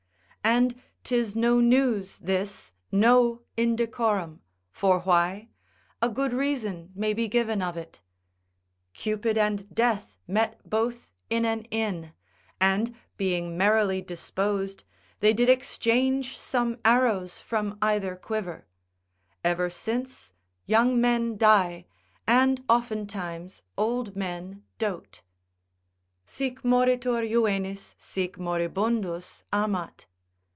And 'tis no news this, no indecorum; for why? a good reason may be given of it. Cupid and death met both in an inn; and being merrily disposed, they did exchange some arrows from either quiver; ever since young men die, and oftentimes old men dote—Sic moritur Juvenis, sic moribundus amat.